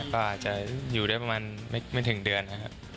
ก็อาจจะอยู่ได้ประมาณไม่ถึงเดือนนะครับ